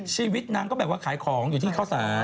ชีวิตนางก็แบบว่าขายของอยู่ที่ข้าวสาร